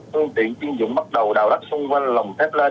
phương tiện chuyên dụng bắt đầu đào đất xung quanh lồng thép lên